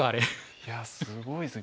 いやすごいですね。